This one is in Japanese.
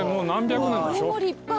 これも立派。